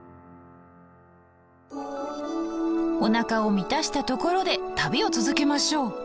おなかを満たしたところで旅を続けましょう。